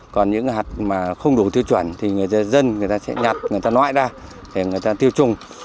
còn những hạt mà không đủ tiêu chuẩn thì người dân sẽ nhặt người ta nõi ra để người ta tiêu trùng